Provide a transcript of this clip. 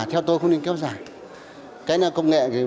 cái này công nghệ thì mọi người